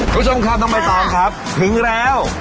คุณผู้ชมครับน้องใบตองครับถึงแล้ว